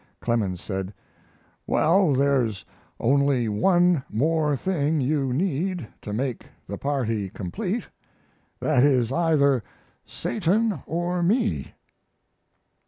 Clemens said: "Well, there's only one more thing you need to make the party complete that is, either Satan or me."